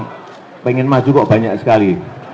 ini yang ingin maju kok banyak sekali